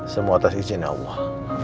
semua atas izin allah